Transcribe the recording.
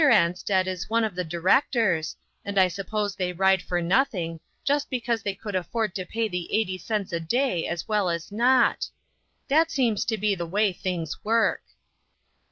Ansted is one of the directors, and I sup pose they ride for nothing, just because they could afford to pay eighty cents a day as well as not. That seems to be the way things work."